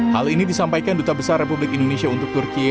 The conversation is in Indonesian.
hal ini disampaikan duta besar republik indonesia untuk turkiye